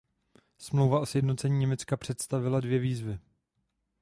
Smlouva o sjednocení Německa představila dvě výzvy.